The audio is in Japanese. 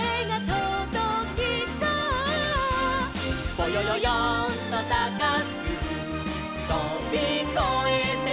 「ぼよよよんとたかくとびこえてゆこう」